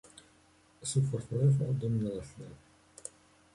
Su fortaleza domina la ciudad.